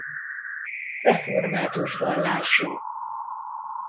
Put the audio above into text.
Református vallású.